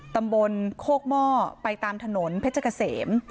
ตำบลโคกหม้อไปตามถนนเพชรเกษม